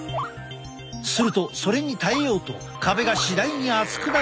するとそれに耐えようと壁が次第に厚くなることがある。